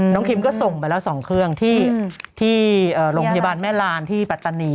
คิมก็ส่งไปแล้ว๒เครื่องที่โรงพยาบาลแม่ลานที่ปัตตานี